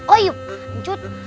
oh iya lanjut